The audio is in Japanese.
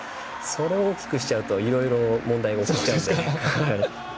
それを大きくしちゃうといろいろ問題が起きちゃうので。